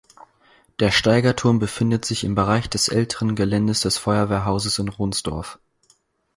Der Steigerturm befindet sich im Bereich des älteren Geländes des Feuerwehrhauses in Ronsdorf.